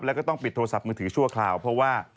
แล้วก็ต้องปิดโทรศัพท์มือถือชั่วคราวเพราะว่า